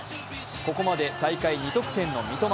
ここまで大会２得点の三笘。